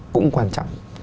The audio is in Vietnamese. cũng quan trọng